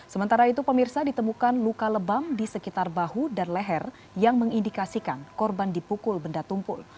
sementara itu pemirsa ditemukan luka lebam di sekitar bahu dan leher yang mengindikasikan korban dipukul benda tumpul